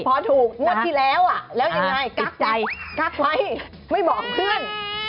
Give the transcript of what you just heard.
พอถูกงวดที่แล้วแล้วยังไงกั๊กใจกักไว้ไม่บอกเพื่อน